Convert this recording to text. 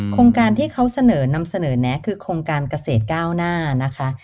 โครงการที่เขาเสนอนำเสนอแนะคือโครงการเกษตรก้าวหน้านะคะ